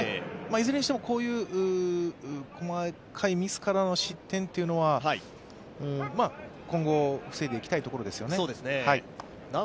いずれにしてもこういう細かいミスからの失点は今後防いでいきたいところですよね。